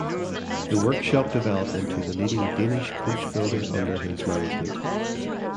The workshop developed into the leading Danish coach builder under his management.